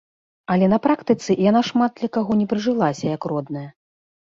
Але на практыцы яна шмат для каго не прыжылася як родная.